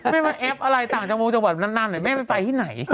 ไม่มันแอบอะไรต่างจังหวังจังหวัดนั้นไม่ได้ไปที่ไหน